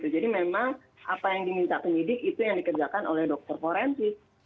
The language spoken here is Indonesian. jadi memang apa yang diminta penyidik itu yang dikerjakan oleh dr forensik